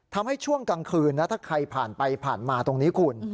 ช่วงกลางคืนนะถ้าใครผ่านไปผ่านมาตรงนี้คุณ